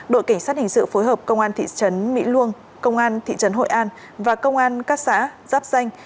đội cảnh sát hình sự phối hợp công an thị trấn mỹ luông công an thị trấn hội an và công an các xã giáp danh